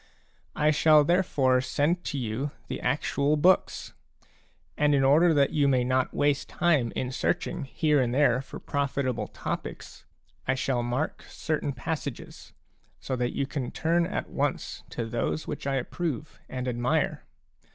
I shall therefore send to you the actual books ; and in order that you may not waste time in search ing here and there for profitable topics, I shall mark certain passages, so that you can turn at once to those which I approve and admire.